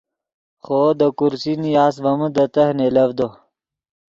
خوو دے کرسی نیاست ڤے من دے تہہ نئیلڤدو